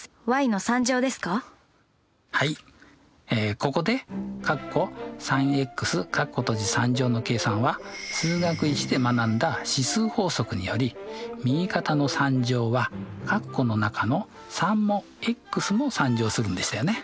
ここでの計算は「数学Ⅰ」で学んだ指数法則により右肩の３乗は括弧の中の３もも３乗するんでしたよね。